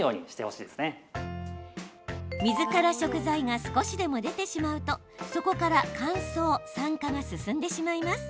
水から食材が少しでも出てしまうとそこから乾燥、酸化が進んでしまいます。